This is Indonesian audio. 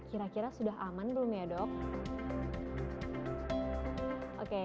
kira kira sudah aman belum ya dok